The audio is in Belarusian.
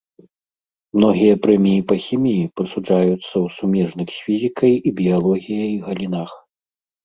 Многія прэміі па хіміі прысуджаюцца ў сумежных з фізікай і біялогіяй галінах.